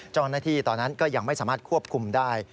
เจ้าหน้าที่ตอนนั้นก็ยังไม่สามารถควบคุมได้